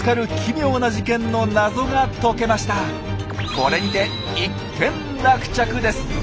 これにて一件落着です！